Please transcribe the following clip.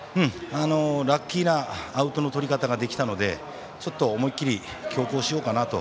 ラッキーなアウトのとり方ができたので思い切り強攻しようかなと。